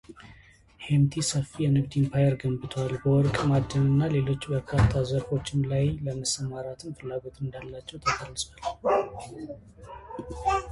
ሄምቲ ሰፊ የንግድ ኢምፓየር ገንብተዋል በወርቅ ማዕድንና ሌሎች በርካታ ዘርፎችም ላይ ለመሰማራትም ፍላጎት እንዳላቸውም ተገልጿል።